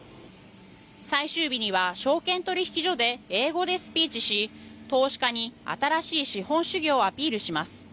最終日には証券取引所で英語でスピーチし投資家に新しい資本主義をアピールします。